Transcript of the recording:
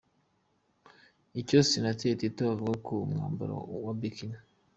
Icyo Senateri Tito avuga ku mwambaro wa Bikini.